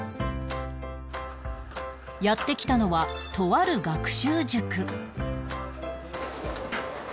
やって来たのはとある学習塾